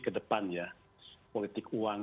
kedepannya politik uang